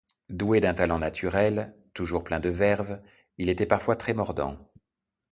Doué d'un talent naturel, toujours plein de verve, il était parfois très mordant.